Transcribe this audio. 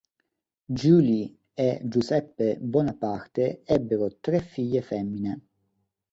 Julie e Giuseppe Bonaparte ebbero tre figlie femmine